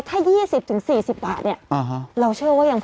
ถ้า๒๐๔๐บาทเนี่ยเราเชื่อว่ายังพอ